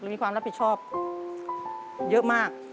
มีความรับผิดชอบเยอะมาก